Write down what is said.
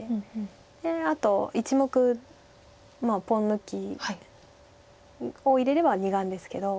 であと１目ポン抜きを入れれば２眼ですけど。